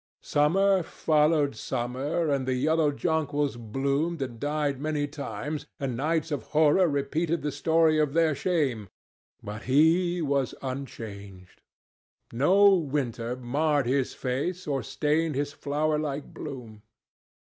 Summer followed summer, and the yellow jonquils bloomed and died many times, and nights of horror repeated the story of their shame, but he was unchanged. No winter marred his face or stained his flowerlike bloom.